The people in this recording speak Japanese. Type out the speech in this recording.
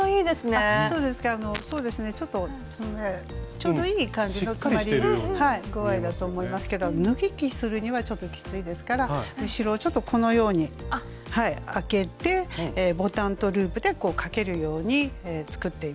ちょうどいい感じの詰まり具合だと思いますけど脱ぎ着するにはちょっときついですから後ろをちょっとこのように開けてボタンとループでかけるように作っています。